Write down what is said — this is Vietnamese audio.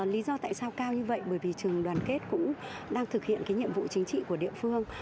lý do tại sao cao như vậy bởi vì trường đoàn kết cũng đang thực hiện cái nhiệm vụ chính trị của địa phương